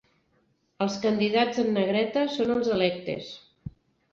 Els candidats en negreta són els electes.